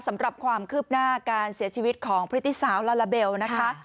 สำหรับความคืบหน้าการเสียชีวิตของพฤติสาวลาลาเบลนะคะ